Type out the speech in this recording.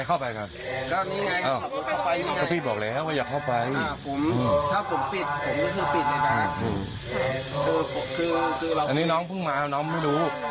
คือก็คือคือคือคือแล้วอันนี้น้องมีไม่รู้